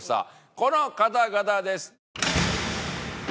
この方々です。